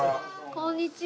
こんにちは。